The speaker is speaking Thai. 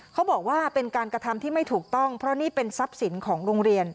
เขาบอกว่าเป็นการกระทำที่ไม่ถูกต้องเพราะนี่เป็นทรัพย์สินของโรงเรียน